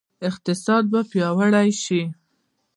اقتصاد به پیاوړی شي؟